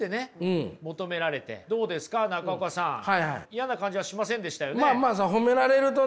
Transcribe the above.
嫌な感じはしませんでしたよね？